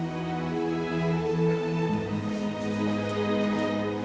gak ada apa apa